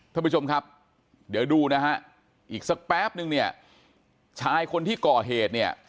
ท่านผู้ชมครับเดี๋ยวดูนะฮะอีกสักแป๊บนึงเนี่ยชายคนที่ก่อเหตุเนี่ย